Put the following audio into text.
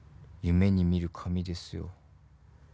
夢に見る髪ですよ。